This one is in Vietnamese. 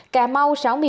cà mau sáu mươi bốn